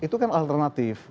itu kan alternatif